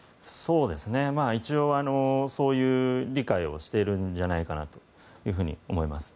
一応、そういう理解をしているんじゃないかと思います。